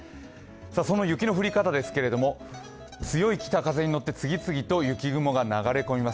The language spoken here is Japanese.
その雪の降り方ですけれども強い北風に乗って、次々と雪雲が流れ込みます。